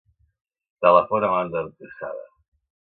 Telefona a l'Ander Tejada.